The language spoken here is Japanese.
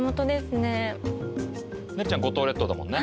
ねるちゃん五島列島だもんね。